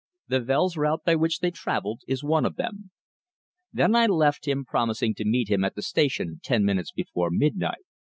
The Wels route by which they travelled, is one of them." Then I left him, promising to meet him at the station ten minutes before midnight.